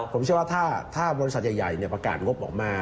ผมเชื่อว่าถ้าบริษัทใหญ่ประกาศงบออกมา